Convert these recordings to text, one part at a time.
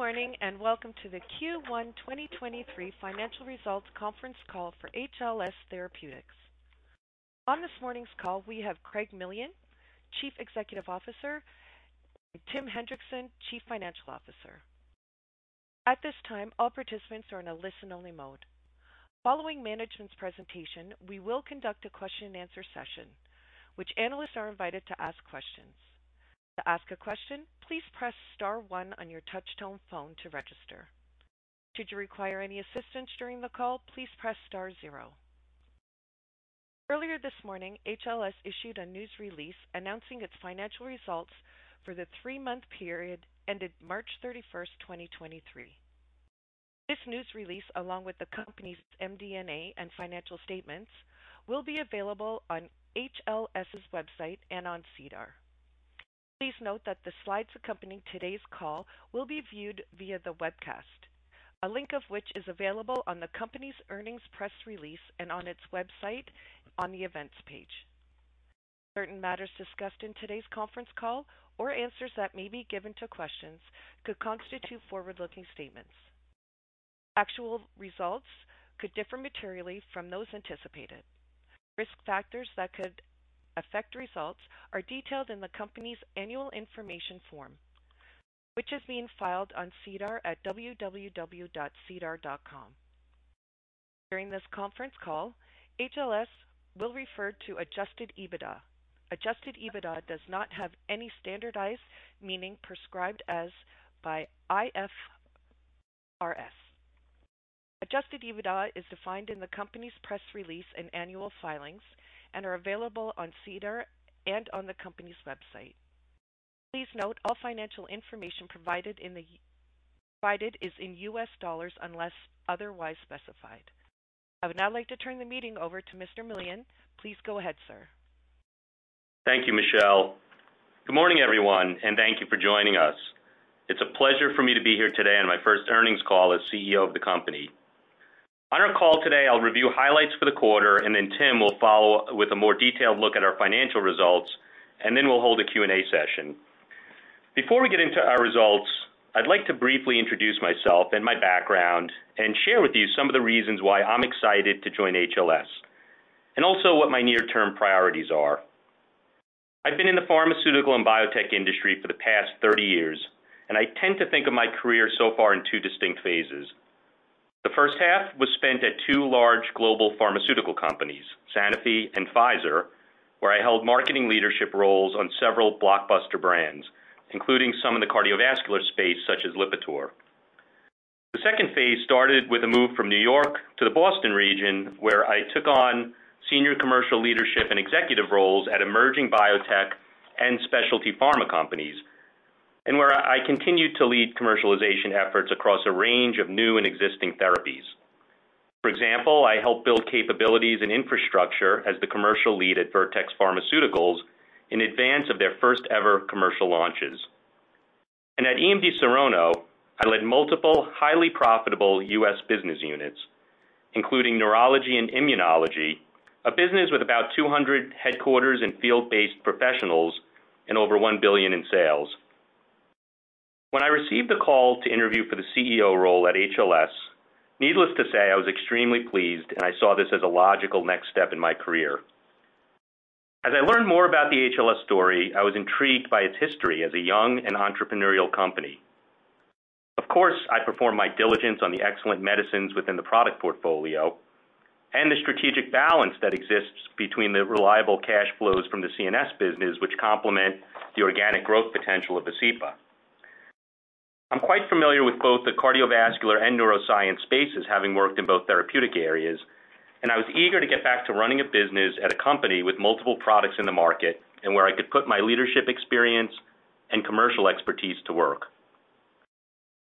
Good morning, and welcome to the Q1 2023 Financial Results Conference Call for HLS Therapeutics. On this morning's call, we have Craig Millian, Chief Executive Officer, and Tim Hendrickson, Chief Financial Officer. At this time, all participants are in a listen-only mode. Following management's presentation, we will conduct a question-and-answer session, which analysts are invited to ask questions. To ask a question, please press star 1 on your touch-tone phone to register. Should you require any assistance during the call, please press star 0. Earlier this morning, HLS issued a news release announcing its financial results for the 3-month period ended March 31, 2023. This news release, along with the company's MD&A and financial statements, will be available on HLS's website and on SEDAR. Please note that the slides accompanying today's call will be viewed via the webcast, a link of which is available on the company's earnings press release and on its website on the events page. Certain matters discussed in today's conference call or answers that may be given to questions could constitute forward-looking statements. Actual results could differ materially from those anticipated. Risk factors that could affect results are detailed in the company's annual information form, which is being filed on SEDAR at www.sedar.com. During this conference call, HLS will refer to Adjusted EBITDA. Adjusted EBITDA does not have any standardized meaning prescribed as by IFRS. Adjusted EBITDA is defined in the company's press release and annual filings and are available on SEDAR and on the company's website. Please note all financial information provided is in US dollars unless otherwise specified. I would now like to turn the meeting over to Mr. Millian. Please go ahead, sir. Thank you, Michelle. Good morning, everyone, and thank you for joining us. It's a pleasure for me to be here today on my first earnings call as CEO of the company. On our call today, I'll review highlights for the quarter, and then Tim will follow with a more detailed look at our financial results, and then we'll hold a Q&A session. Before we get into our results, I'd like to briefly introduce myself and my background and share with you some of the reasons why I'm excited to join HLS, and also what my near-term priorities are. I've been in the pharmaceutical and biotech industry for the past 30 years, and I tend to think of my career so far in two distinct phases. The H1 was spent at two large global pharmaceutical companies, Sanofi and Pfizer, where I held marketing leadership roles on several blockbuster brands, including some in the cardiovascular space, such as Lipitor. The second phase started with a move from New York to the Boston region, where I took on senior commercial leadership and executive roles at emerging biotech and specialty pharma companies, and where I continued to lead commercialization efforts across a range of new and existing therapies. For example, I helped build capabilities and infrastructure as the commercial lead at Vertex Pharmaceuticals in advance of their first-ever commercial launches. At EMD Serono, I led multiple highly profitable U.S. business units, including neurology and immunology, a business with about 200 headquarters and field-based professionals and over $1 billion in sales. When I received a call to interview for the CEO role at HLS, needless to say, I was extremely pleased, and I saw this as a logical next step in my career. As I learned more about the HLS story, I was intrigued by its history as a young and entrepreneurial company. Of course, I performed my diligence on the excellent medicines within the product portfolio and the strategic balance that exists between the reliable cash flows from the CNS business, which complement the organic growth potential of Vascepa. I'm quite familiar with both the cardiovascular and neuroscience spaces, having worked in both therapeutic areas, and I was eager to get back to running a business at a company with multiple products in the market and where I could put my leadership experience and commercial expertise to work.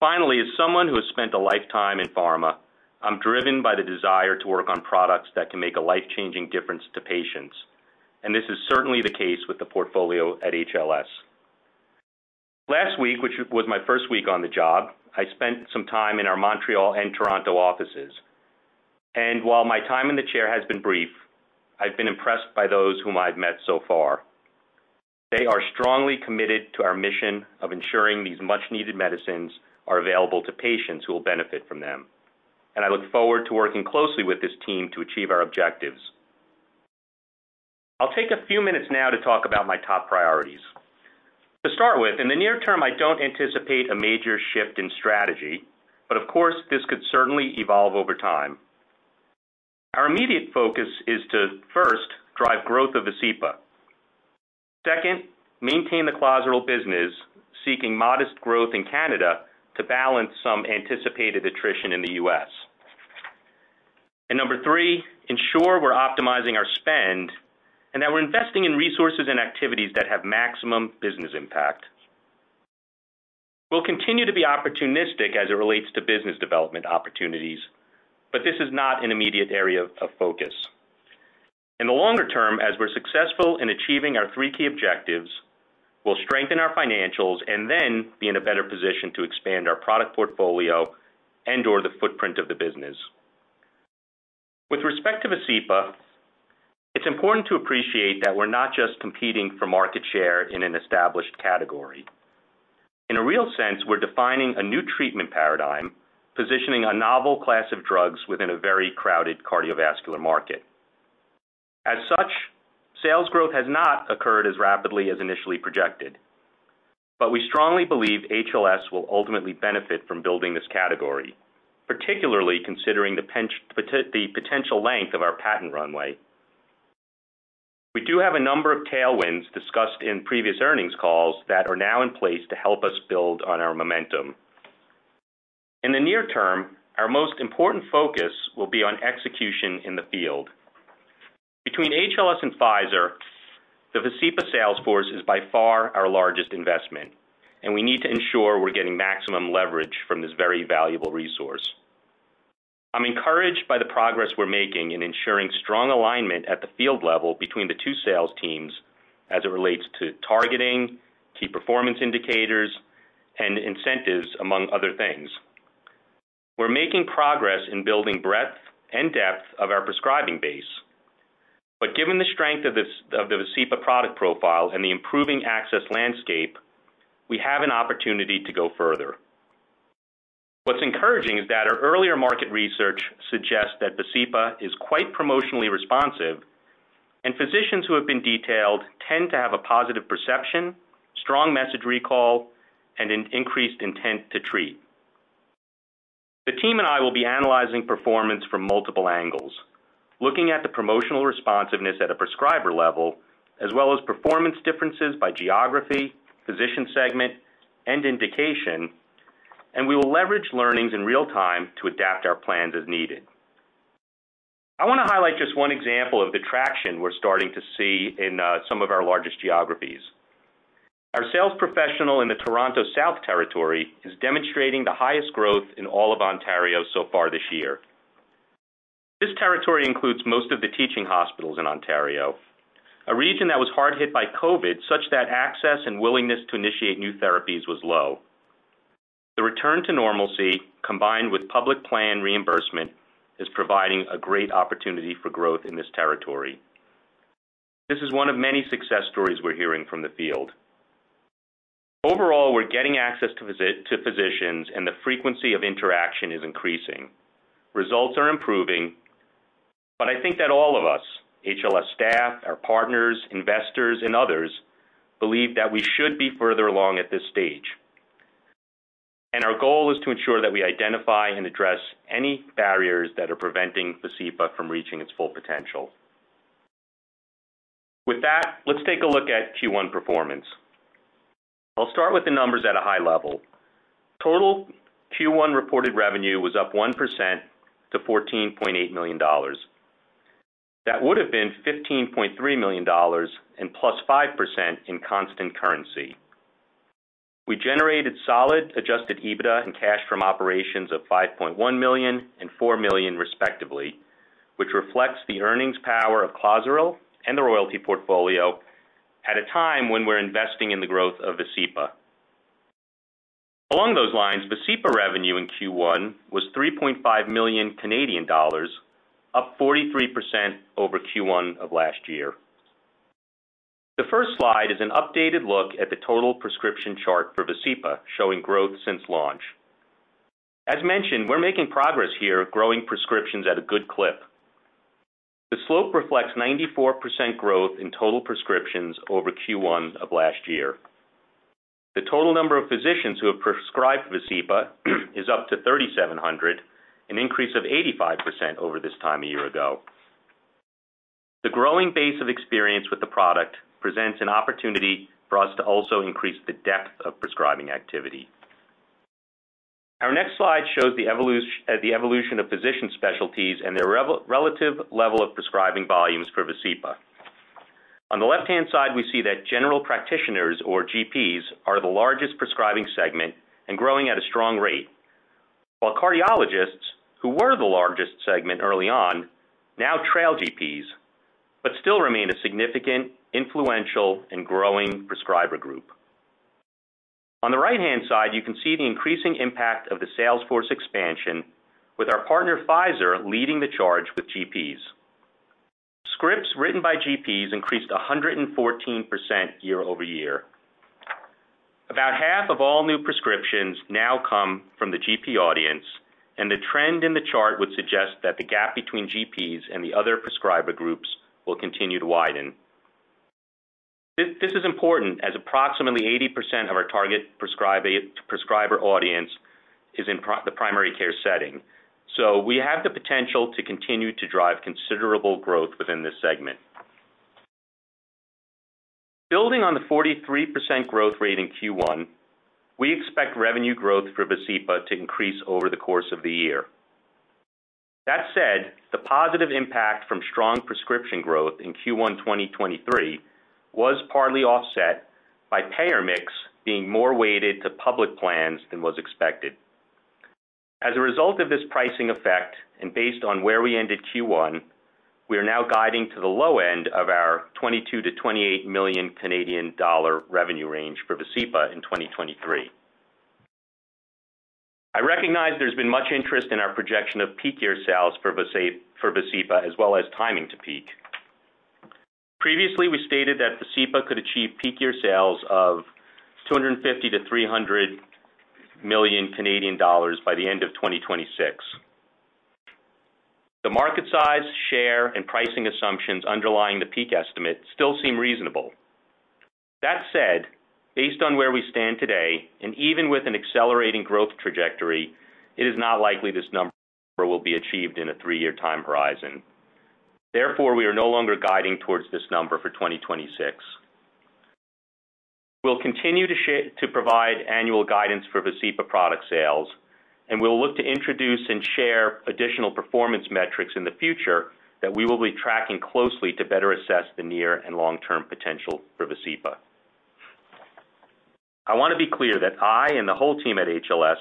As someone who has spent a lifetime in pharma, I'm driven by the desire to work on products that can make a life-changing difference to patients, and this is certainly the case with the portfolio at HLS. Last week, which was my first week on the job, I spent some time in our Montreal and Toronto offices. While my time in the chair has been brief, I've been impressed by those whom I've met so far. They are strongly committed to our mission of ensuring these much-needed medicines are available to patients who will benefit from them. I look forward to working closely with this team to achieve our objectives. I'll take a few minutes now to talk about my top priorities. To start with, in the near term, I don't anticipate a major shift in strategy, but of course, this could certainly evolve over time. Our immediate focus is to, first, drive growth of Vascepa. Second, maintain the Clozaril business, seeking modest growth in Canada to balance some anticipated attrition in the U.S. Number three, ensure we're optimizing our spend and that we're investing in resources and activities that have maximum business impact. We'll continue to be opportunistic as it relates to business development opportunities, but this is not an immediate area of focus. In the longer term, as we're successful in achieving our three key objectives, we'll strengthen our financials and then be in a better position to expand our product portfolio and/or the footprint of the business. With respect to Vascepa, it's important to appreciate that we're not just competing for market share in an established category. In a real sense, we're defining a new treatment paradigm, positioning a novel class of drugs within a very crowded cardiovascular market. As such, sales growth has not occurred as rapidly as initially projected. We strongly believe HLS will ultimately benefit from building this category, particularly considering the potential length of our patent runway. We do have a number of tailwinds discussed in previous earnings calls that are now in place to help us build on our momentum. In the near term, our most important focus will be on execution in the field. Between HLS and Pfizer, the Vascepa sales force is by far our largest investment, and we need to ensure we're getting maximum leverage from this very valuable resource. I'm encouraged by the progress we're making in ensuring strong alignment at the field level between the two sales teams as it relates to targeting, key performance indicators, and incentives, among other things. We're making progress in building breadth and depth of our prescribing base. Given the strength of this, of the Vascepa product profile and the improving access landscape, we have an opportunity to go further. What's encouraging is that our earlier market research suggests that Vascepa is quite promotionally responsive, and physicians who have been detailed tend to have a positive perception, strong message recall, and an increased intent to treat. The team and I will be analyzing performance from multiple angles, looking at the promotional responsiveness at a prescriber level, as well as performance differences by geography, physician segment, and indication, and we will leverage learnings in real time to adapt our plans as needed. I wanna highlight just one example of the traction we're starting to see in some of our largest geographies. Our sales professional in the Toronto South territory is demonstrating the highest growth in all of Ontario so far this year. This territory includes most of the teaching hospitals in Ontario, a region that was hard hit by COVID, such that access and willingness to initiate new therapies was low. The return to normalcy, combined with public plan reimbursement, is providing a great opportunity for growth in this territory. This is one of many success stories we're hearing from the field. Overall, we're getting access to physicians, and the frequency of interaction is increasing. Results are improving, but I think that all of us, HLS staff, our partners, investors, and others, believe that we should be further along at this stage. Our goal is to ensure that we identify and address any barriers that are preventing Vascepa from reaching its full potential. With that, let's take a look at Q1 performance. I'll start with the numbers at a high level. Total Q1 reported revenue was up 1% to $14.8 million. That would have been $15.3 million and +5% in constant currency. We generated solid Adjusted EBITDA and cash from operations of $5.1 million and $4 million, respectively, which reflects the earnings power of Clozaril and the royalty portfolio at a time when we're investing in the growth of Vascepa. Along those lines, Vascepa revenue in Q1 was 3.5 million Canadian dollars, up 43% over Q1 of last year. The first slide is an updated look at the total prescription chart for Vascepa, showing growth since launch. As mentioned, we're making progress here, growing prescriptions at a good clip. The slope reflects 94% growth in total prescriptions over Q1 of last year. The total number of physicians who have prescribed Vascepa is up to 3,700, an increase of 85% over this time a year ago. The growing base of experience with the product presents an opportunity for us to also increase the depth of prescribing activity. Our next slide shows the evolution of physician specialties and their relative level of prescribing volumes for Vascepa. On the left-hand side, we see that general practitioners or GPs are the largest prescribing segment and growing at a strong rate, while cardiologists, who were the largest segment early on, now trail GPs, but still remain a significant, influential, and growing prescriber group. On the right-hand side, you can see the increasing impact of the sales force expansion with our partner, Pfizer, leading the charge with GPs. Scripts written by GPs increased 114% year-over-year. About half of all new prescriptions now come from the GP audience, and the trend in the chart would suggest that the gap between GPs and the other prescriber groups will continue to widen. This is important, as approximately 80% of our target prescriber audience is in the primary care setting, so we have the potential to continue to drive considerable growth within this segment. Building on the 43% growth rate in Q1, we expect revenue growth for Vascepa to increase over the course of the year. That said, the positive impact from strong prescription growth in Q1 2023 was partly offset by payer mix being more weighted to public plans than was expected. As a result of this pricing effect, and based on where we ended Q1, we are now guiding to the low end of our 22 million-28 million Canadian dollar revenue range for Vascepa in 2023. I recognize there's been much interest in our projection of peak year sales for Vascepa, as well as timing to peak. Previously, we stated that Vascepa could achieve peak year sales of 250 million-300 million Canadian dollars by the end of 2026. The market size, share, and pricing assumptions underlying the peak estimate still seem reasonable. That said, based on where we stand today, and even with an accelerating growth trajectory, it is not likely this number will be achieved in a 3-year time horizon. Therefore, we are no longer guiding towards this number for 2026. We'll continue to provide annual guidance for Vascepa product sales, and we'll look to introduce and share additional performance metrics in the future that we will be tracking closely to better assess the near and long-term potential for Vascepa. I want to be clear that I and the whole team at HLS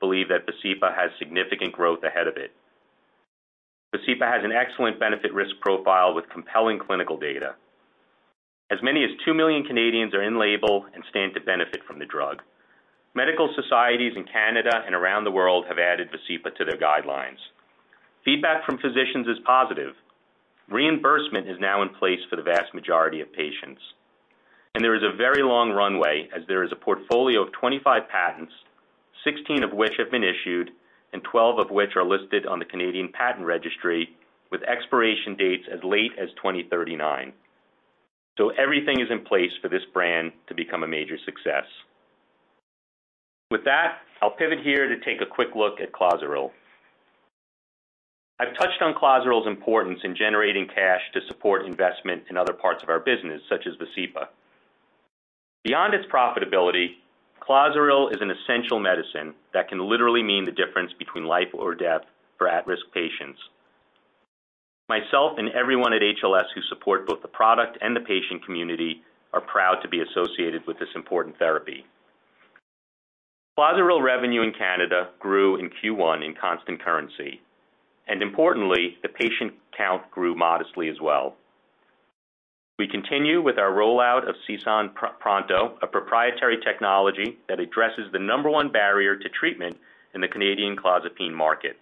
believe that Vascepa has significant growth ahead of it. Vascepa has an excellent benefit risk profile with compelling clinical data. As many as 2 million Canadians are in-label and stand to benefit from the drug. Medical societies in Canada and around the world have added Vascepa to their guidelines. Feedback from physicians is positive. Reimbursement is now in place for the vast majority of patients. There is a very long runway as there is a portfolio of 25 patents, 16 of which have been issued, and 12 of which are listed on the Canadian Patent Register with expiration dates as late as 2039. Everything is in place for this brand to become a major success. With that, I'll pivot here to take a quick look at Clozaril. I've touched on Clozaril's importance in generating cash to support investment in other parts of our business, such as Vascepa. Beyond its profitability, Clozaril is an essential medicine that can literally mean the difference between life or death for at-risk patients. Myself and everyone at HLS who support both the product and the patient community are proud to be associated with this important therapy. Clozaril revenue in Canada grew in Q1 in constant currency, and importantly, the patient count grew modestly as well. We continue with our rollout of CSAN PRONTO, a proprietary technology that addresses the number one barrier to treatment in the Canadian clozapine market.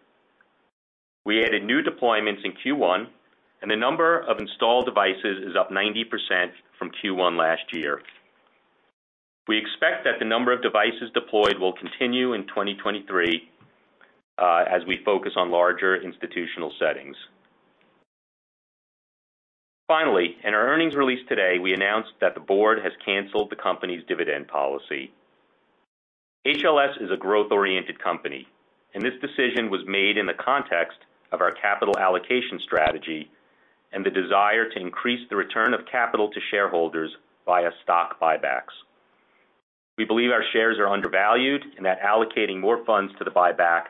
We added new deployments in Q1, and the number of installed devices is up 90% from Q1 last year. We expect that the number of devices deployed will continue in 2023, as we focus on larger institutional settings. In our earnings release today, we announced that the board has canceled the company's dividend policy. HLS is a growth-oriented company, and this decision was made in the context of our capital allocation strategy and the desire to increase the return of capital to shareholders via stock buybacks. We believe our shares are undervalued and that allocating more funds to the buyback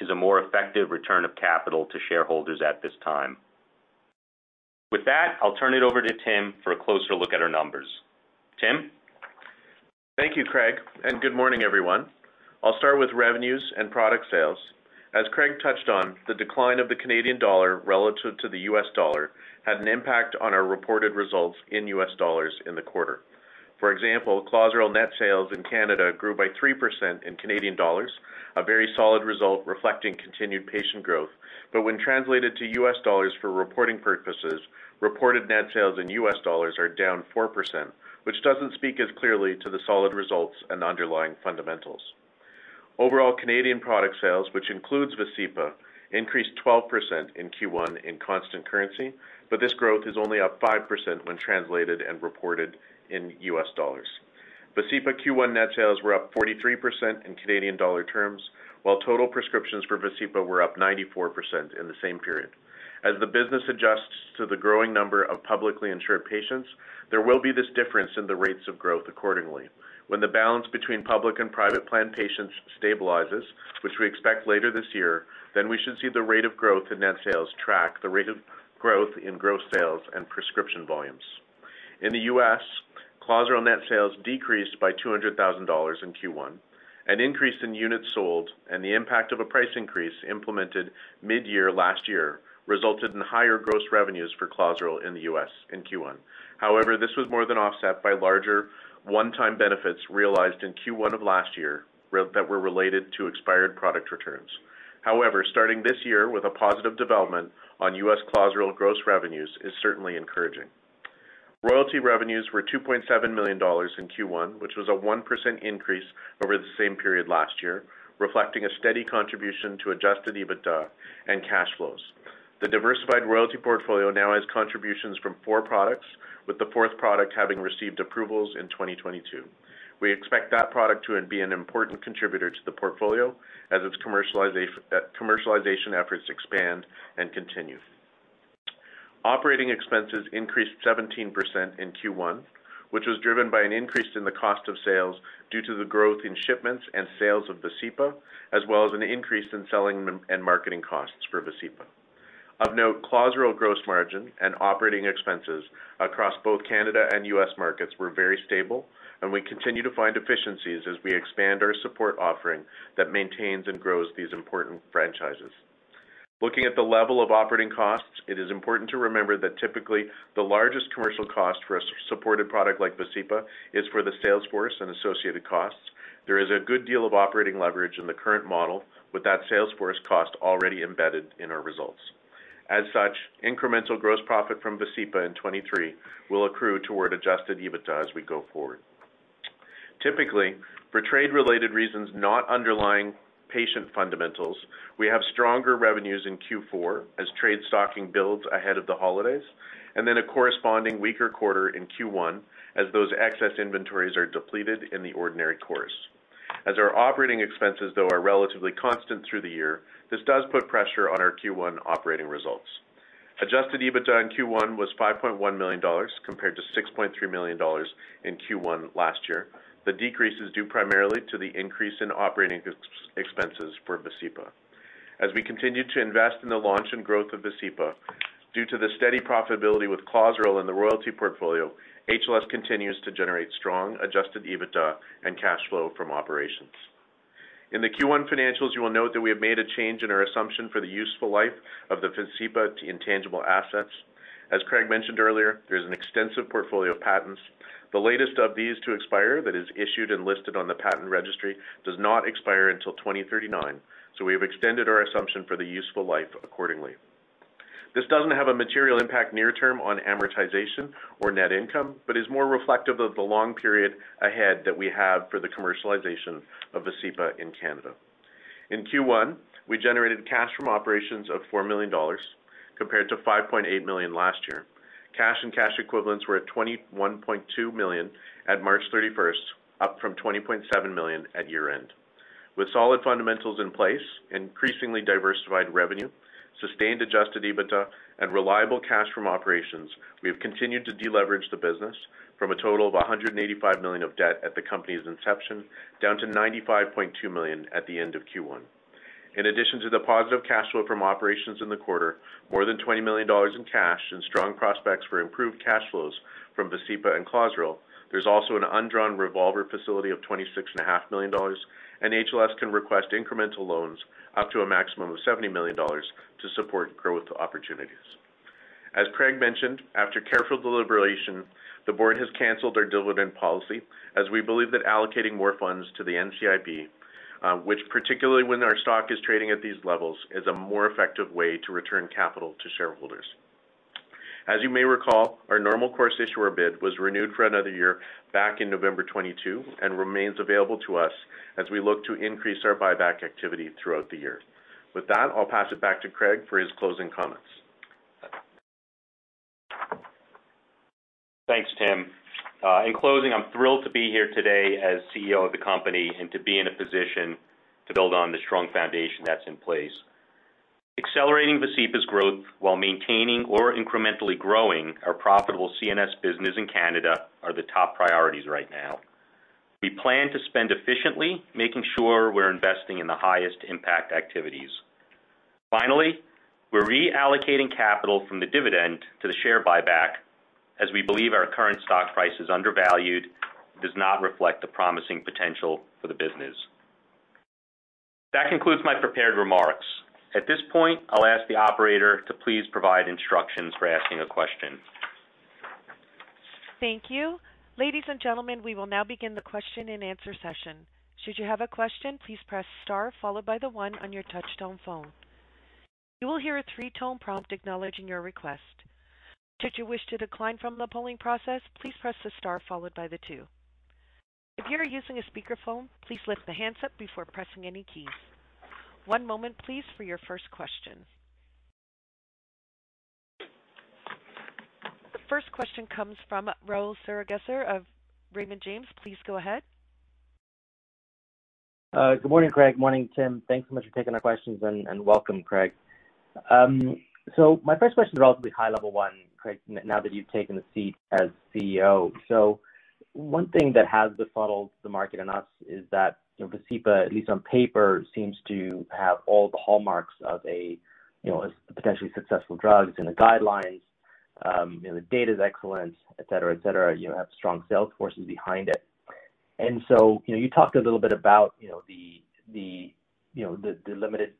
is a more effective return of capital to shareholders at this time. With that, I'll turn it over to Tim for a closer look at our numbers. Tim? Thank you, Craig. Good morning, everyone. I'll start with revenues and product sales. As Craig touched on, the decline of the Canadian dollar relative to the US dollar had an impact on our reported results in US dollars in the quarter. For example, Clozaril net sales in Canada grew by 3% in Canadian dollars, a very solid result reflecting continued patient growth. When translated to US dollars for reporting purposes, reported net sales in US dollars are down 4%, which doesn't speak as clearly to the solid results and underlying fundamentals. Overall Canadian product sales, which includes Vascepa, increased 12% in Q1 in constant currency, but this growth is only up 5% when translated and reported in US dollars. Vascepa Q1 net sales were up 43% in Canadian dollar terms, while total prescriptions for Vascepa were up 94% in the same period. As the business adjusts to the growing number of publicly insured patients, there will be this difference in the rates of growth accordingly. When the balance between public and private plan patients stabilizes, which we expect later this year, we should see the rate of growth in net sales track the rate of growth in gross sales and prescription volumes. In the U.S., Clozaril net sales decreased by $200,000 in Q1. An increase in units sold and the impact of a price increase implemented mid-year last year resulted in higher gross revenues for Clozaril in the U.S. in Q1. This was more than offset by larger one-time benefits realized in Q1 of last year that were related to expired product returns. Starting this year with a positive development on U.S. Clozaril gross revenues is certainly encouraging. Royalty revenues were $2.7 million in Q1, which was a 1% increase over the same period last year, reflecting a steady contribution to Adjusted EBITDA and cash flows. The diversified royalty portfolio now has contributions from four products, with the fourth product having received approvals in 2022. We expect that product to be an important contributor to the portfolio as its commercialization efforts expand and continue. Operating expenses increased 17% in Q1, which was driven by an increase in the cost of sales due to the growth in shipments and sales of Vascepa, as well as an increase in selling and marketing costs for Vascepa. Of note, Clozaril gross margin and operating expenses across both Canada and U.S. markets were very stable. We continue to find efficiencies as we expand our support offering that maintains and grows these important franchises. Looking at the level of operating costs, it is important to remember that typically the largest commercial cost for a supported product like Vascepa is for the sales force and associated costs. There is a good deal of operating leverage in the current model with that sales force cost already embedded in our results. As such, incremental gross profit from Vascepa in 2023 will accrue toward Adjusted EBITDA as we go forward. Typically, for trade-related reasons, not underlying patient fundamentals, we have stronger revenues in Q4 as trade stocking builds ahead of the holidays. A corresponding weaker quarter in Q1 as those excess inventories are depleted in the ordinary course. Our operating expenses, though, are relatively constant through the year, this does put pressure on our Q1 operating results. Adjusted EBITDA in Q1 was $5.1 million compared to $6.3 million in Q1 last year. The decrease is due primarily to the increase in operating expenses for Vascepa. We continue to invest in the launch and growth of Vascepa, due to the steady profitability with Clozaril and the royalty portfolio, HLS continues to generate strong Adjusted EBITDA and cash flow from operations. In the Q1 financials, you will note that we have made a change in our assumption for the useful life of the Vascepa intangible assets. Craig mentioned earlier, there's an extensive portfolio of patents. The latest of these to expire that is issued and listed on the Patent Register does not expire until 2039, so we have extended our assumption for the useful life accordingly. This doesn't have a material impact near term on amortization or net income, but is more reflective of the long period ahead that we have for the commercialization of Vascepa in Canada. In Q1, we generated cash from operations of $4 million compared to $5.8 million last year. Cash and cash equivalents were at $21.2 million at March 31st, up from $20.7 million at year-end. With solid fundamentals in place, increasingly diversified revenue, sustained Adjusted EBITDA, and reliable cash from operations, we have continued to deleverage the business from a total of $185 million of debt at the company's inception down to $95.2 million at the end of Q1. In addition to the positive cash flow from operations in the quarter, more than $20 million in cash and strong prospects for improved cash flows from Vascepa and Clozaril, there's also an undrawn revolver facility of $26.5 million, and HLS can request incremental loans up to a maximum of $70 million to support growth opportunities. As Craig mentioned, after careful deliberation, the board has canceled our dividend policy, as we believe that allocating more funds to the NCIB, which particularly when our stock is trading at these levels, is a more effective way to return capital to shareholders. As you may recall, our Normal Course Issuer Bid was renewed for another year back in November 2022 and remains available to us as we look to increase our buyback activity throughout the year. With that, I'll pass it back to Craig for his closing comments. Thanks, Tim. In closing, I'm thrilled to be here today as CEO of the company and to be in a position to build on the strong foundation that's in place. Accelerating Vascepa's growth while maintaining or incrementally growing our profitable CNS business in Canada are the top priorities right now. We plan to spend efficiently making sure we're investing in the highest impact activities. Finally, we're reallocating capital from the dividend to the share buyback as we believe our current stock price is undervalued and does not reflect the promising potential for the business. That concludes my prepared remarks. At this point, I'll ask the operator to please provide instructions for asking a question. Thank you. Ladies and gentlemen, we will now begin the question and answer session. Should you have a question, please press star followed by the one on your touchtone phone. You will hear a three-tone prompt acknowledging your request. Should you wish to decline from the polling process, please press the star followed by the two. If you are using a speakerphone, please lift the handset before pressing any keys. One moment please for your first question. The first question comes from Rahul Sarugaser of Raymond James. Please go ahead. Good morning, Craig. Morning, Tim. Thanks so much for taking our questions and welcome, Craig. My first question is a relatively high-level one, Craig, now that you've taken the seat as CEO. One thing that has befuddled the market and us is that Vascepa, at least on paper, seems to have all the hallmarks of a, you know, a potentially successful drug. It's in the guidelines, you know, the data is excellent, et cetera, et cetera. You have strong sales forces behind it. You know, you talked a little bit about, you know, the, you know, the limited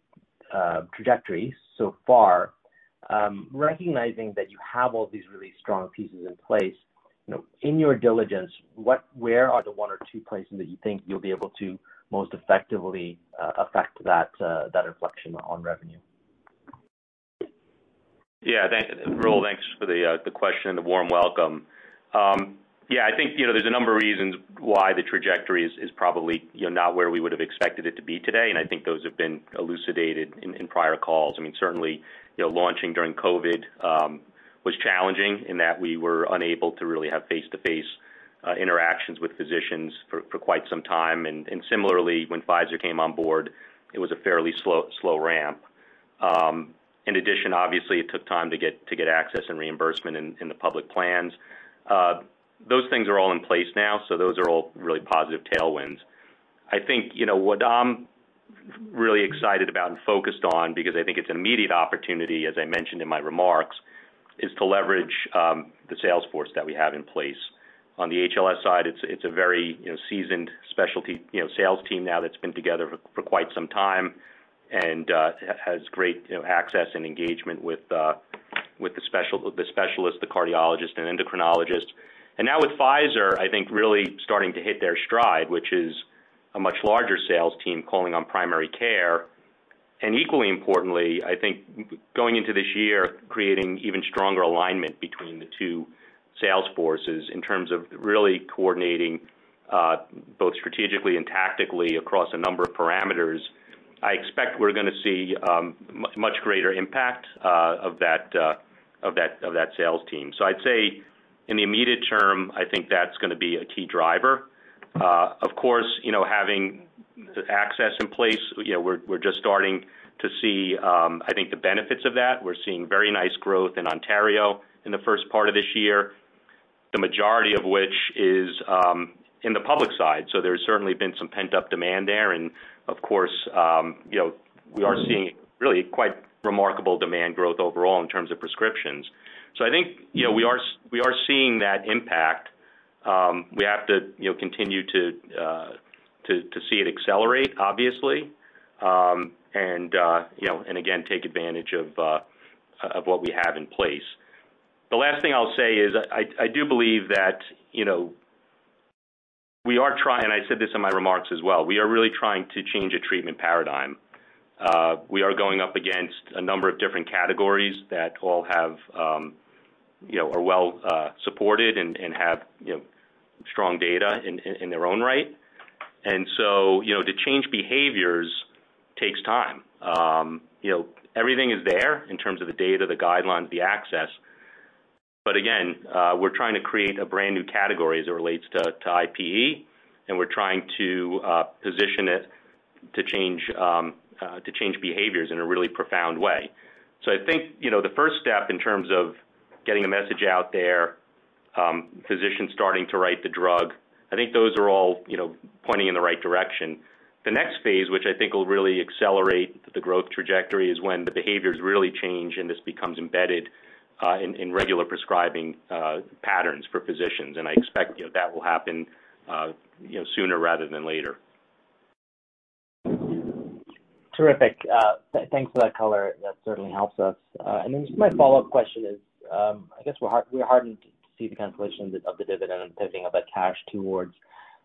trajectory so far. Recognizing that you have all these really strong pieces in place, you know, in your diligence, where are the 1 or 2 places that you think you'll be able to most effectively affect that that inflection on revenue? Rahul, thanks for the question and the warm welcome. I think, you know, there's a number of reasons why the trajectory is probably, you know, not where we would have expected it to be today, and I think those have been elucidated in prior calls. I mean, certainly, you know, launching during COVID was challenging in that we were unable to really have face-to-face interactions with physicians for quite some time. Similarly, when Pfizer came on board, it was a fairly slow ramp. In addition, obviously, it took time to get access and reimbursement in the public plans. Those things are all in place now, those are all really positive tailwinds. I think, you know, what I'm really excited about and focused on because I think it's an immediate opportunity, as I mentioned in my remarks is to leverage the sales force that we have in place. On the HLS side, it's a very, you know, seasoned specialty, you know, sales team now that's been together for quite some time and has great, you know, access and engagement with the specialists, the cardiologists and endocrinologists. Now with Pfizer, I think really starting to hit their stride, which is a much larger sales team calling on primary care. Equally importantly, I think going into this year, creating even stronger alignment between the two sales forces in terms of really coordinating, both strategically and tactically across a number of parameters, I expect we're gonna see much greater impact of that sales team. I'd say in the immediate term, I think that's gonna be a key driver. Of course, you know, having the access in place, you know, we're just starting to see, I think the benefits of that. We're seeing very nice growth in Ontario in the first part of this year, the majority of which is in the public side. There's certainly been some pent-up demand there. Of course, you know, we are seeing really quite remarkable demand growth overall in terms of prescriptions. I think, you know, we are seeing that impact. We have to, you know, continue to see it accelerate, obviously, and, you know, and again, take advantage of what we have in place. The last thing I'll say is I do believe that, you know, we are trying, and I said this in my remarks as well, we are really trying to change a treatment paradigm. We are going up against a number of different categories that all have, you know, are well supported and have, you know, strong data in their own right. You know, to change behaviors takes time. You know, everything is there in terms of the data, the guidelines, the access. Again, we're trying to create a brand-new category as it relates to IPE, and we're trying to position it to change behaviors in a really profound way. I think, you know, the first step in terms of getting a message out there, physicians starting to write the drug, I think those are all, you know, pointing in the right direction. The next phase, which I think will really accelerate the growth trajectory, is when the behaviors really change, and this becomes embedded in regular prescribing patterns for physicians. I expect, you know, that will happen, you know, sooner rather than later. Terrific. Thanks for that color. That certainly helps us. Just my follow-up question is, I guess we're heartened to see the cancellation of the dividend and pivoting of that cash towards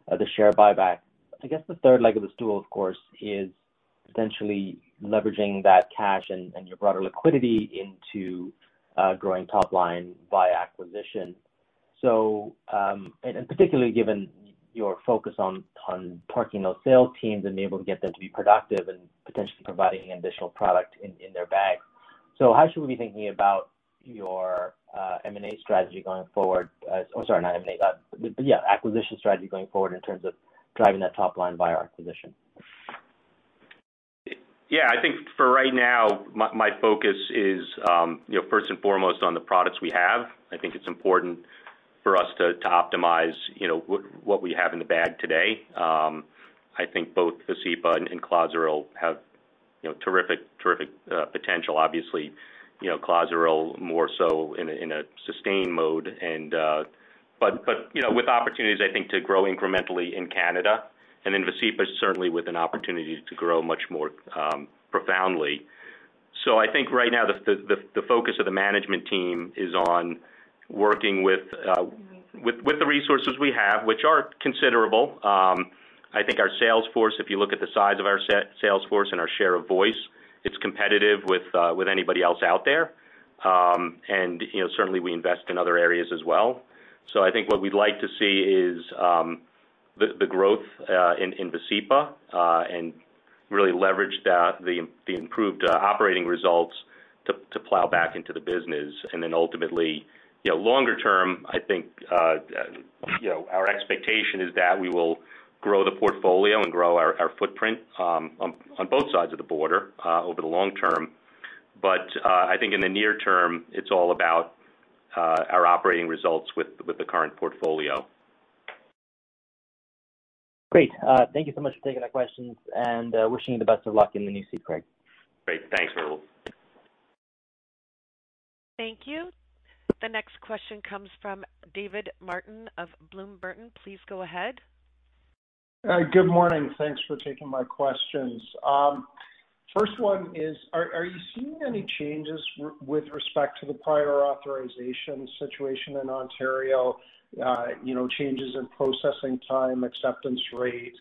the share buyback. I guess the third leg of the stool, of course, is potentially leveraging that cash and your broader liquidity into growing top line via acquisition. And particularly given your focus on parking those sales teams and being able to get them to be productive and potentially providing additional product in their bag. How should we be thinking about your M&A strategy going forward? Oh, sorry, not M&A. But yeah, acquisition strategy going forward in terms of driving that top line via acquisition? I think for right now, my focus is, you know, first and foremost on the products we have. I think it's important for us to optimize, you know, what we have in the bag today. I think both Vascepa and Clozaril have, you know, terrific potential. Obviously, you know, Clozaril more so in a sustained mode and, but, you know, with opportunities, I think, to grow incrementally in Canada, and then Vascepa certainly with an opportunity to grow much more profoundly. I think right now the focus of the management team is on working with the resources we have, which are considerable. I think our sales force, if you look at the size of our sales force and our share of voice, it's competitive with anybody else out there. You know, certainly we invest in other areas as well. I think what we'd like to see is the growth in Vascepa, and really leverage that, the improved operating results to plow back into the business. Ultimately, you know, longer term, I think, you know, our expectation is that we will grow the portfolio and grow our footprint on both sides of the border over the long term. I think in the near term, it's all about our operating results with the current portfolio. Great. Thank you so much for taking our questions, and wishing you the best of luck in the new seat, Craig. Great. Thanks, Rahul. Thank you. The next question comes from David Martin of Bloom Burton. Please go ahead. Hi. Good morning. Thanks for taking my questions. First one is, are you seeing any changes with respect to the prior authorization situation in Ontario? You know, changes in processing time, acceptance rate,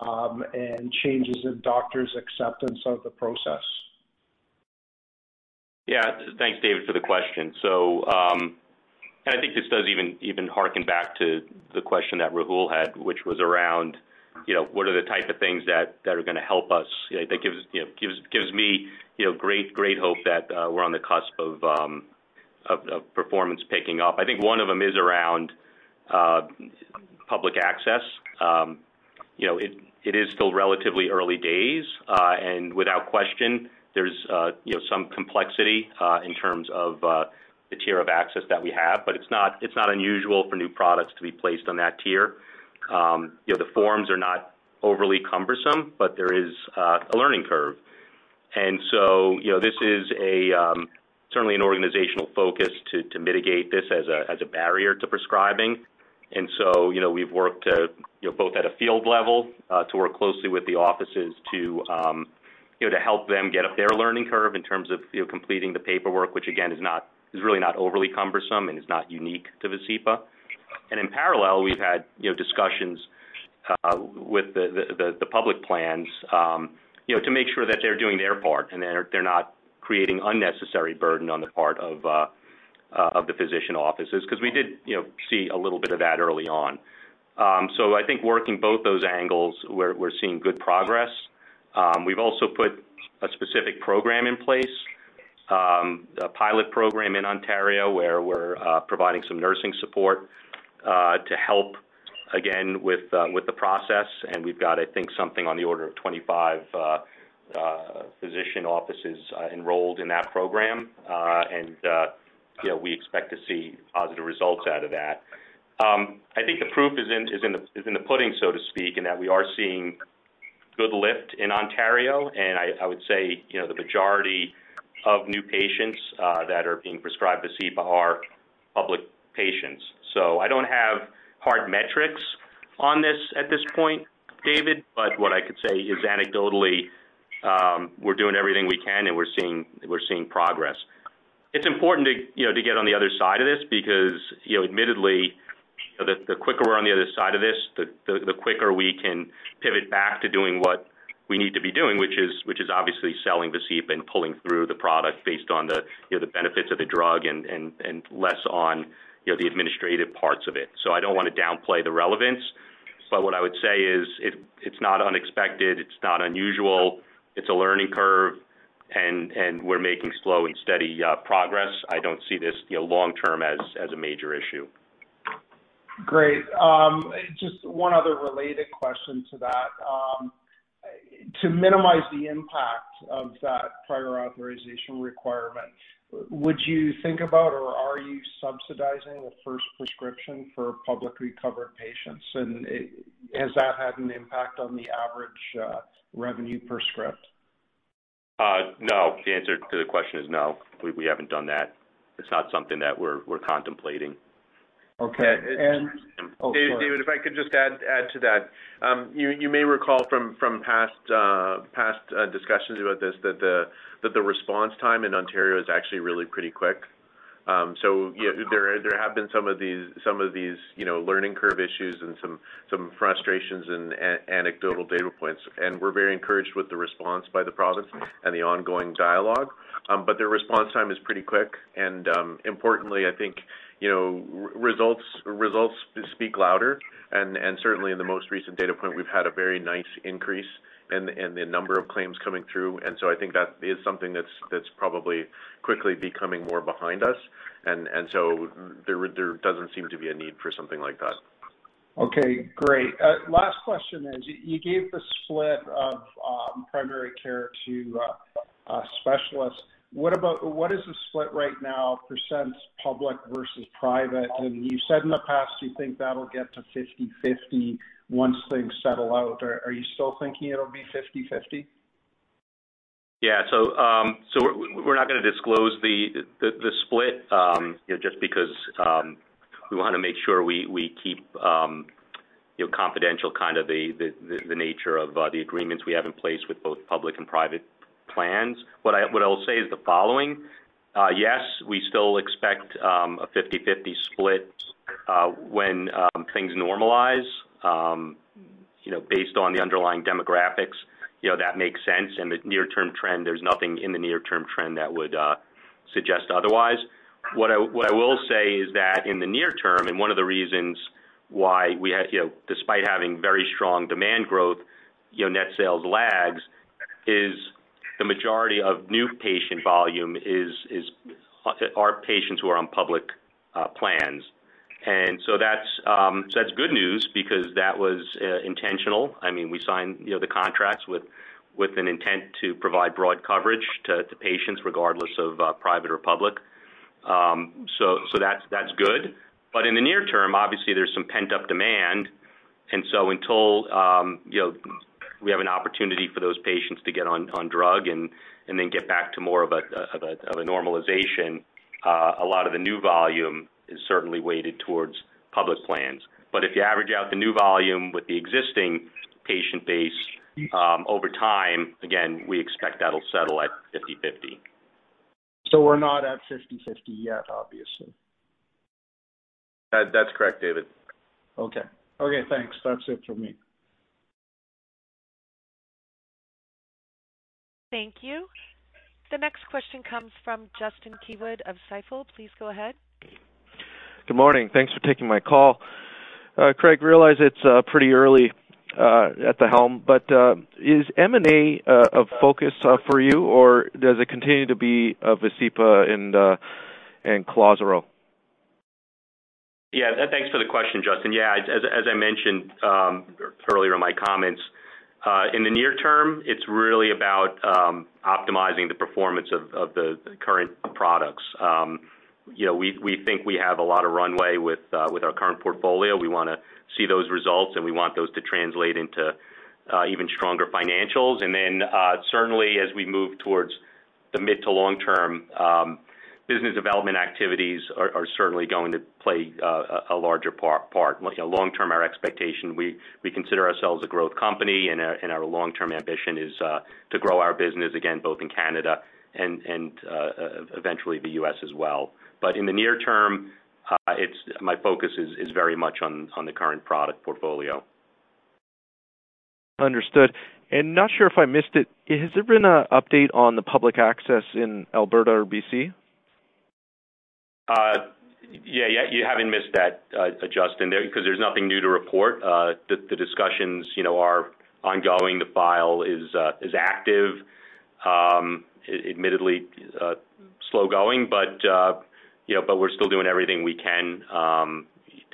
and changes in doctors' acceptance of the process? Thanks, David, for the question. I think this does even harken back to the question that Rahul had, which was around, you know, what are the type of things that are gonna help us? You know, that gives, you know, gives me, you know, great hope that we're on the cusp of performance picking up. I think one of them is around public access. You know, it is still relatively early days. Without question, there's, you know, some complexity, in terms of, the tier of access that we have, but it's not, it's not unusual for new products to be placed on that tier. You know, the forms are not overly cumbersome, but there is, a learning curve. You know, this is a, certainly an organizational focus to mitigate this as a, as a barrier to prescribing. You know, we've worked, you know, both at a field level, to work closely with the offices to, you know, to help them get up their learning curve in terms of, you know, completing the paperwork, which again, is really not overly cumbersome and is not unique to Vascepa. In parallel, we've had, you know, discussions with the public plans, you know, to make sure that they're doing their part, and they're not creating unnecessary burden on the part of the physician offices, 'cause we did, you know, see a little bit of that early on. I think working both those angles, we're seeing good progress. We've also put a specific program in place, a pilot program in Ontario, where we're providing some nursing support to help again with the process. We've got, I think, something on the order of 25 physician offices enrolled in that program. You know, we expect to see positive results out of that. I think the proof is in, is in the, is in the pudding, so to speak, in that we are seeing good lift in Ontario. And I would say, you know, the majority of new patients that are being prescribed Vascepa are public patients. I don't have hard metrics on this at this point, David, but what I could say is anecdotally, we're doing everything we can, and we're seeing progress. It's important to, you know, to get on the other side of this because, you know, admittedly, the quicker we're on the other side of this, the quicker we can pivot back to doing what we need to be doing, which is obviously selling Vascepa and pulling through the product based on the, you know, the benefits of the drug and less on, you know, the administrative parts of it. I don't wanna downplay the relevance, but what I would say is it's not unexpected, it's not unusual. It's a learning curve, and we're making slow and steady progress. I don't see this, you know, long term as a major issue. Great. Just one other related question to that. To minimize the impact of that prior authorization requirement, would you think about or are you subsidizing the first prescription for publicly covered patients? And has that had an impact on the average revenue per script? No. The answer to the question is no. We haven't done that. It's not something that we're contemplating. Okay. Yeah. Oh, sorry. David, if I could just add to that. You may recall from past discussions about this that the response time in Ontario is actually really pretty quick. So yeah, there have been some of these, you know, learning curve issues and some frustrations and anecdotal data points. We're very encouraged with the response by the province and the ongoing dialogue. Their response time is pretty quick. Importantly, I think, you know, results speak louder. Certainly in the most recent data point, we've had a very nice increase in the number of claims coming through. I think that is something that's probably quickly becoming more behind us. There doesn't seem to be a need for something like that. Okay, great. Last question is, you gave the split of primary care to a specialist. What is the split right now, percent public versus private? You said in the past, you think that'll get to 50/50 once things settle out. Are you still thinking it'll be 50/50? Yeah. We're not gonna disclose the split, you know, just because we wanna make sure we keep, you know, confidential kind of the nature of the agreements we have in place with both public and private plans. What I'll say is the following: Yes, we still expect a 50/50 split when things normalize. You know, based on the underlying demographics, you know, that makes sense. The near-term trend, there's nothing in the near-term trend that would suggest otherwise. What I will say is that in the near term, and one of the reasons why we had, you know, despite having very strong demand growth, you know, net sales lags is the majority of new patient volume are patients who are on public plans. That's good news because that was intentional. I mean, we signed, you know, the contracts with an intent to provide broad coverage to patients regardless of private or public. So that's good. In the near term, obviously there's some pent-up demand. Until, you know, we have an opportunity for those patients to get on drug and then get back to more of a normalization, a lot of the new volume is certainly weighted towards public plans. If you average out the new volume with the existing patient base, over time, again, we expect that'll settle at 50/50. We're not at 50/50 yet, obviously. That's correct, David. Okay. Okay, thanks. That's it for me. Thank you. The next question comes from Justin Keywood of Stifel. Please go ahead. Good morning. Thanks for taking my call. Craig, realize it's pretty early at the helm, but is M&A a focus for you, or does it continue to be Vascepa and Clozaril? Thanks for the question, Justin. As I mentioned, My comments in the near term, it's really about optimizing the performance of the current products. You know, we think we have a lot of runway with our current portfolio. We want to see those results, and we want those to translate into even stronger financials. Certainly as we move towards the mid to long-term, business development activities are certainly going to play a larger part. Long-term, our expectation, we consider ourselves a growth company and our long-term ambition is to grow our business again, both in Canada and eventually the US as well. In the near term, my focus is very much on the current product portfolio. Understood. Not sure if I missed it. Has there been an update on the public access in Alberta or BC? Yeah. Yeah, you haven't missed that, Justin, because there's nothing new to report. The discussions, you know, are ongoing. The file is active, admittedly, slow going, but, you know, we're still doing everything we can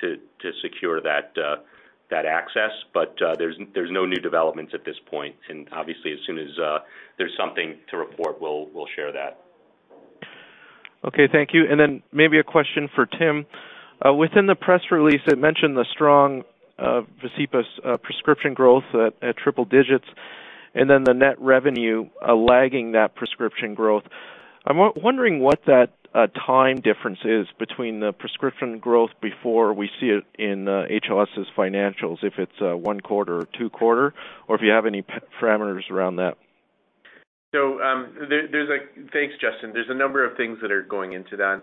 to secure that access. There's no new developments at this point. Obviously, as soon as there's something to report, we'll share that. Okay, thank you. Then maybe a question for Tim. Within the press release, it mentioned the strong Vascepa's prescription growth at triple digits and then the net revenue lagging that prescription growth. I'm wondering what that time difference is between the prescription growth before we see it in HLS's financials, if it's 1 quarter or 2 quarter, or if you have any parameters around that. Thanks, Justin. There's a number of things that are going into that.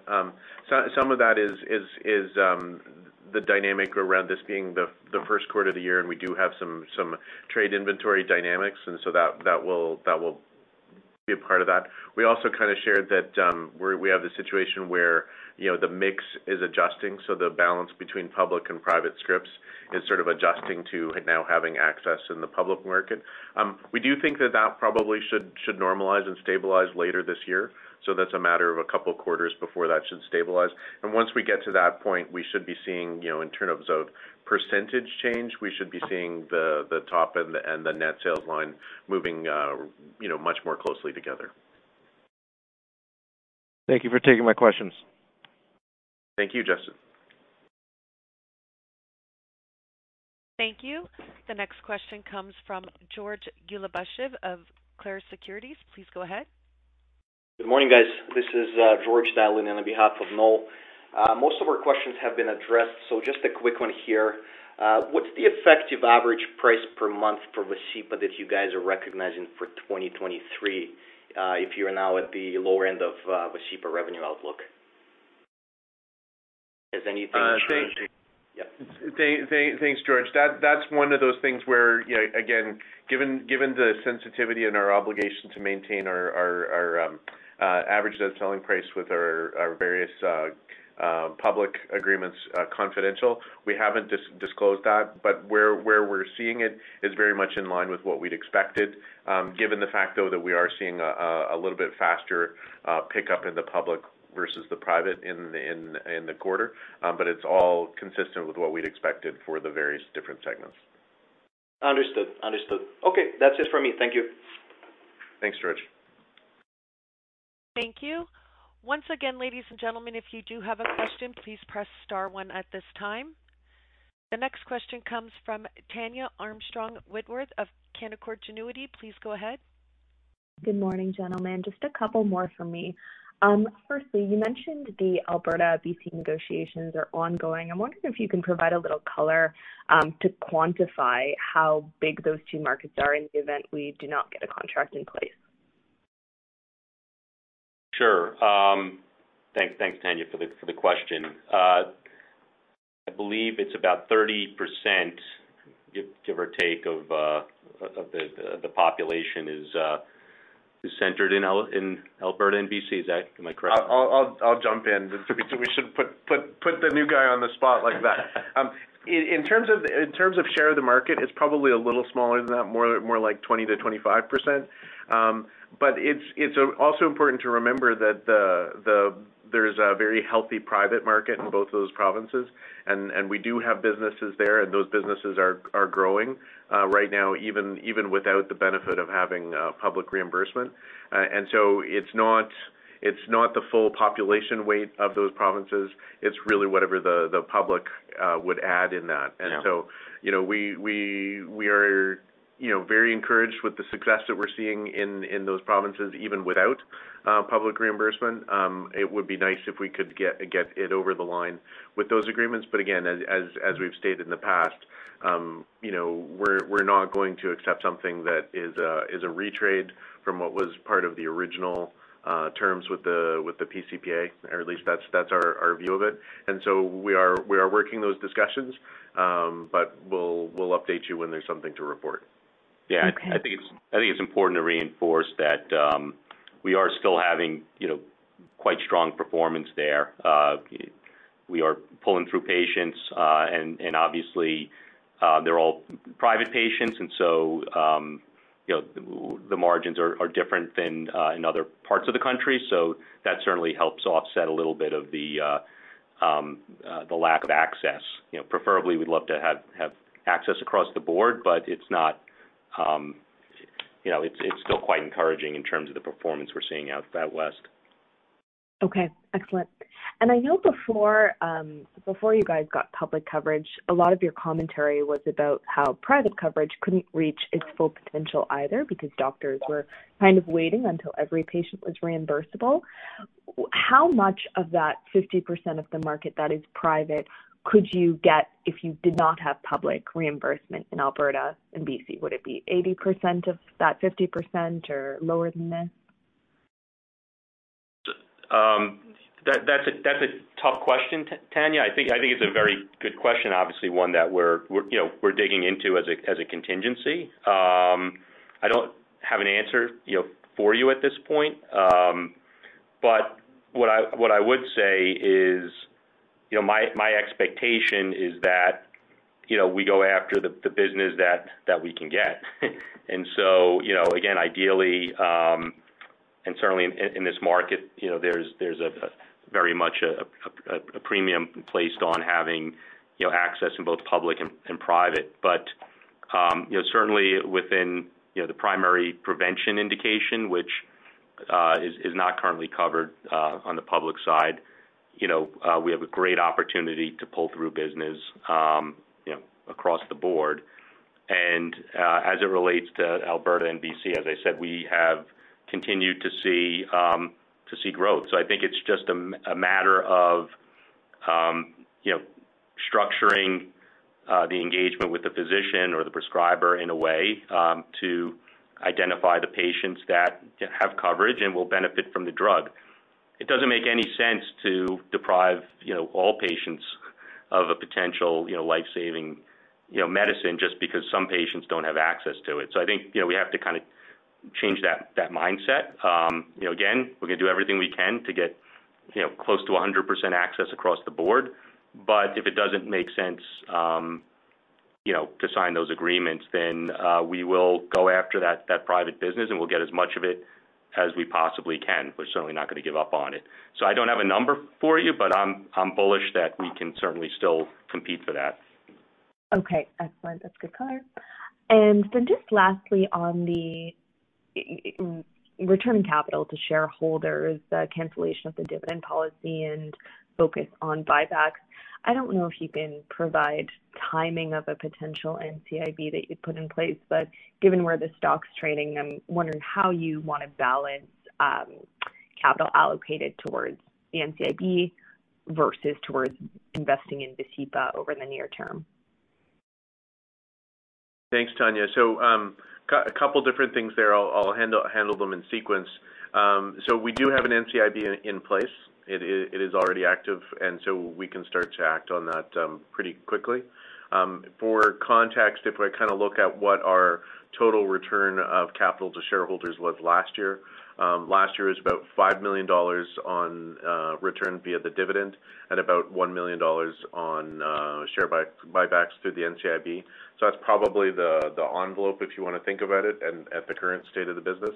Some of that is the dynamic around this being the Q1 of the year, and we do have some trade inventory dynamics, and that will be a part of that. We also shared that, you know, the mix is adjusting, so the balance between public and private scripts is sort of adjusting to now having access in the public market. We do think that probably should normalize and stabilize later this year. That's a matter of a couple of quarters before that should stabilize. Once we get to that point, we should be seeing, you know, in terms of % change, we should be seeing the top and the, and the net sales line moving, you know, much more closely together. Thank you for taking my questions. Thank you, Justin. Thank you. The next question comes from Georgi Ulybyshev of Clarus Securities. Please go ahead. Good morning, guys. This is Georgi dialing in on behalf of Noel. Most of our questions have been addressed, so just a quick one here. What's the effective average price per month for Vascepa that you guys are recognizing for 2023, if you are now at the lower end of Vascepa revenue outlook? Has anything changed? Uh, thank- Yeah. Thanks, George. That's one of those things where, you know, again, given the sensitivity and our obligation to maintain our average net selling price with our various public agreements, confidential, we haven't disclosed that, but where we're seeing it is very much in line with what we'd expected, given the fact, though, that we are seeing a little bit faster pickup in the public versus the private in the quarter. It's all consistent with what we'd expected for the various different segments. Understood. Okay, that's it for me. Thank you. Thanks, George. Thank you. Once again, ladies and gentlemen, if you do have a question, please press star one at this time. The next question comes from Tania Gonsalves of Canaccord Genuity. Please go ahead. Good morning, gentlemen. Just a couple more from me. Firstly, you mentioned the Alberta BC negotiations are ongoing. I'm wondering if you can provide a little color to quantify how big those two markets are in the event we do not get a contract in place. Sure. Thanks. Thanks Tania, for the question. I believe it's about 30%, give or take, of the population is centered in Alberta and BC. Am I correct? I'll jump in. We shouldn't put the new guy on the spot like that. In terms of share of the market, it's probably a little smaller than that, more like 20%-25%. It's also important to remember that there's a very healthy private market in both those provinces, and we do have businesses there, and those businesses are growing right now, even without the benefit of having public reimbursement. It's not the full population weight of those provinces. It's really whatever the public would add in that. Yeah. You know, we are, you know, very encouraged with the success that we're seeing in those provinces, even without public reimbursement. It would be nice if we could get it over the line with those agreements. Again, as we've stated in the past, you know, we're not going to accept something that is a retrade from what was part of the original terms with the PCPA, or at least that's our view of it. We are working those discussions, but we'll update you when there's something to report. I think it's important to reinforce that, we are still having, you know, quite strong performance there. We are pulling through patients, and obviously, they're all private patients. You know, the margins are different than in other parts of the country. That certainly helps offset a little bit of the lack of access, you know, preferably we'd love to have access across the board, but it's not, you know, it's still quite encouraging in terms of the performance we're seeing out West. Okay, excellent. I know before you guys got public coverage, a lot of your commentary was about how private coverage couldn't reach its full potential either because doctors were kind of waiting until every patient was reimbursable. How much of that 50% of the market that is private could you get if you did not have public reimbursement in Alberta and BC? Would it be 80% of that 50% or lower than that? That's a tough question, Tania. I think it's a very good question, obviously one that we're digging into as a contingency. I don't have an answer, you know, for you at this point. What I would say is, you know, my expectation is that, you know, we go after the business that we can get. You know, again, ideally, and certainly in this market, you know, there's a very much a premium placed on having, you know, access in both public and private. You know, certainly within, you know, the primary prevention indication, which is not currently covered on the public side, you know, we have a great opportunity to pull through business, you know, across the board. As it relates to Alberta and BC, as I said, we have continued to see growth. I think it's just a matter of, you know, structuring the engagement with the physician or the prescriber in a way to identify the patients that have coverage and will benefit from the drug. It doesn't make any sense to deprive, you know, all patients of a potential, you know, life-saving, you know, medicine just because some patients don't have access to it. I think, you know, we have to kinda change that mindset. You know, again, we're gonna do everything we can to get, you know, close to 100% access across the board. If it doesn't make sense, you know, to sign those agreements, then we will go after that private business, and we'll get as much of it as we possibly can. We're certainly not gonna give up on it. I don't have a number for you, but I'm bullish that we can certainly still compete for that. Okay, excellent. That's good color. Just lastly, on the returning capital to shareholders, the cancellation of the dividend policy and focus on buybacks, I don't know if you can provide timing of a potential NCIB that you'd put in place, but given where the stock's trading, I'm wondering how you wanna balance capital allocated towards the NCIB versus towards investing in Vascepa over the near term. Thanks, Tania. A couple different things there. I'll handle them in sequence. We do have an NCIB in place. It is already active, we can start to act on that pretty quickly. For context, if I kinda look at what our total return of capital to shareholders was last year, last year was about $5 million on return via the dividend and about $1 million on share buybacks through the NCIB. That's probably the envelope, if you wanna think about it and at the current state of the business.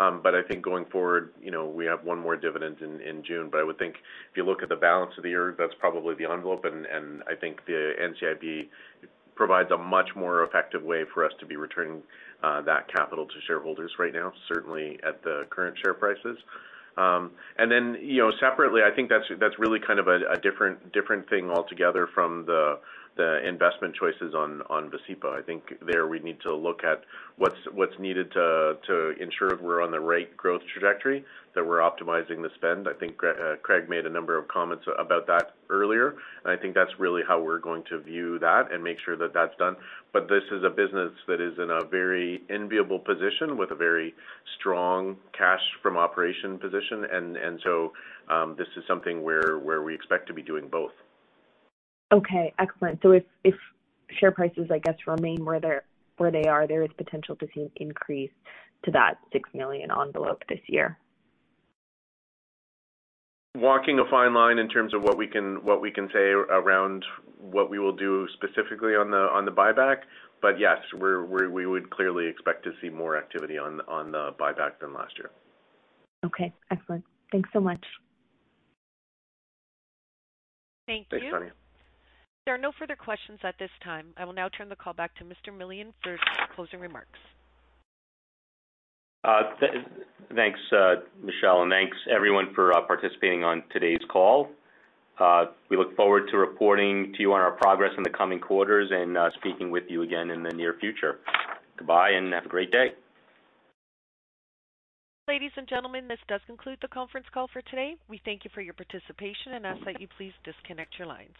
I think going forward, you know, we have one more dividend in June. I would think if you look at the balance of the year, that's probably the envelope, and I think the NCIB provides a much more effective way for us to be returning that capital to shareholders right now, certainly at the current share prices. You know, separately, I think that's really kind of a different thing altogether from the investment choices on Vascepa. I think there we need to look at what's needed to ensure we're on the right growth trajectory, that we're optimizing the spend. I think Craig made a number of comments about that earlier. I think that's really how we're going to view that and make sure that that's done. This is a business that is in a very enviable position with a very strong cash from operation position. This is something where we expect to be doing both. Okay, excellent. If share prices, I guess, remain where they are, there is potential to see an increase to that $6 million envelope this year. Walking a fine line in terms of what we can, what we can say around what we will do specifically on the, on the buyback. Yes, we would clearly expect to see more activity on the buyback than last year. Okay, excellent. Thanks so much. Thanks, Tania. Thank you. There are no further questions at this time. I will now turn the call back to Mr. Millian for closing remarks. Thanks, Michelle, and thanks everyone for participating on today's call. We look forward to reporting to you on our progress in the coming quarters and speaking with you again in the near future. Goodbye, and have a great day. Ladies and gentlemen, this does conclude the conference call for today. We thank you for your participation and ask that you please disconnect your lines.